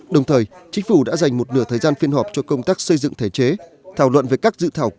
đồng thời chính phủ đã dành một nửa thời gian phiên họp cho công tác xây dựng thể chế thảo luận về các dự thảo